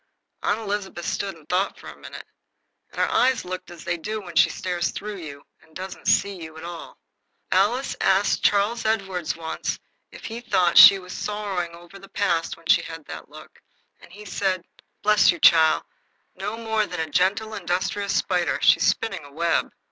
Aunt Elizabeth stood and thought for a minute, and her eyes looked as they do when she stares through you and doesn't see you at all. Alice asked Charles Edward once if he thought she was sorrowing o'er the past when she had that look, and he said: "Bless you, chile, no more than a gentle industrious spider. She's spinning a web."